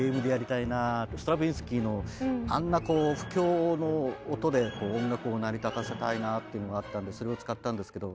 ストラヴィンスキーのあんな不協の音で音楽を成り立たせたいなっていうのがあったんでそれを使ったんですけど